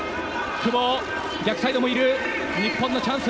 久保、逆サイドもいる、日本のチャンス。